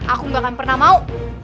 aku gak akan pernah mau